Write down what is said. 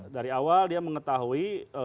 dari awal dia mengetahui